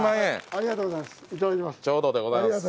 ありがとうございます。